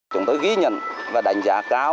chúng tôi ghi nhận và đánh giá cao